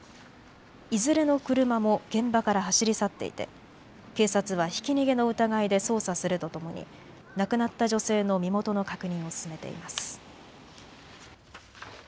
いずれの車も現場から走り去っていて警察はひき逃げの疑いで捜査するとともに亡くなった女性の身元の確認を進めています。